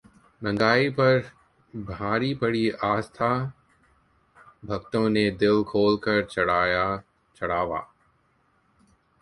महंगाई पर भारी पड़ी आस्था, भक्तों ने दिल खोल कर चढ़ाया चढ़ावा